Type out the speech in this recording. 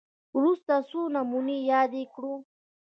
وروسته څو نمونې یادې کړو